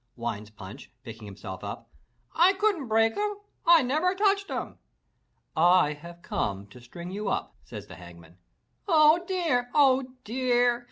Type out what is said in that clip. whines Punch picking himself up. "I couldn^t break 'em. I never touched 'em!*' "I have come to string you up," says the Hangman. "Oh dear! Oh dear!